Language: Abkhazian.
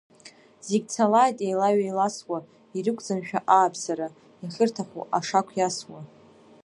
Зегь цалааит еилаҩеиласуа, ирықәӡамшәа ааԥсара, иахьырҭаху ашақә иасуа…